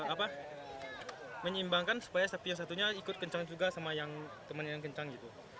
apa menyeimbangkan supaya tapi satunya ikut kencang juga sama yang teman yang kencang gitu